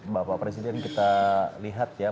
bapak presiden kita lihat ya